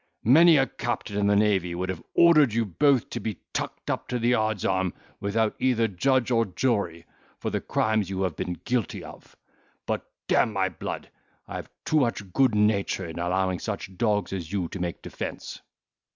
many a captain in the navy would have ordered you both to be tucked up to the yard's arm, without either judge or jury, for the crimes you have been guilty of; but, d—n my blood, I have too much good nature in allowing such dogs as you to make defence."